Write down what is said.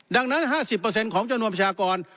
ดังนั้น๕๐ของจำนวนประชากร